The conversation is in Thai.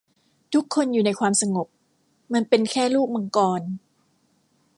ทุกคนอยู่ในความสงบ มันเป็นแค่ลูกมังกร